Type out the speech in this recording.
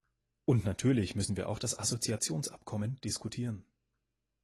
Und natürlich müssen wir auch das Assoziationsabkommen diskutieren.